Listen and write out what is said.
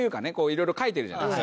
色々書いてるじゃないですか。